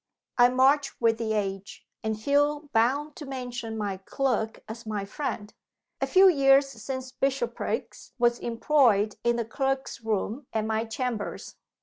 I march with the age, and feel bound to mention my clerk as my friend. A few years since Bishopriggs was employed in the clerks' room at my chambers.